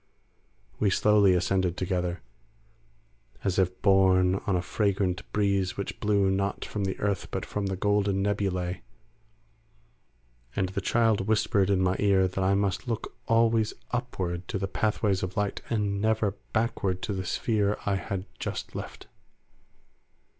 We slowly ascended together, as if borne on a fragrant breeze which blew not from the earth but from the golden nebulae, and the child whispered in my ear that I must look always upward to the pathways of light, and never backward to the sphere I had just left.